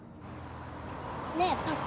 ねぇパパ。